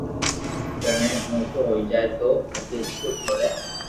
جيڻي موٽو ھوئي جائي تو ائني اسڪول سوري